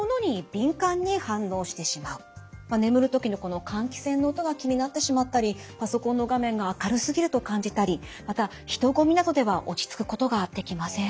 眠る時のこの換気扇の音が気になってしまったりパソコンの画面が明るすぎると感じたりまた人混みなどでは落ち着くことができません。